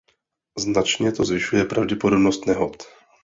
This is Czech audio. Značně to zvyšuje pravděpodobnost nehod.